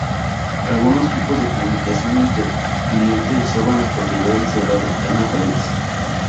Algunos tipos de comunicación inter-cliente usan las propiedades de la ventana raíz.